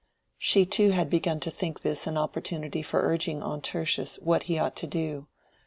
She too had begun to think this an opportunity for urging on Tertius what he ought to do.